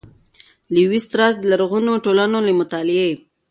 ''لېوي ستراس د لرغونو ټولنو له مطالعې